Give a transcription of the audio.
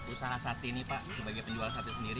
usaha sate ini pak sebagai penjual sate sendiri